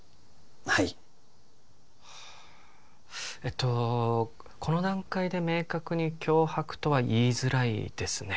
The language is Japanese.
はいえっとこの段階で明確に脅迫とは言いづらいですね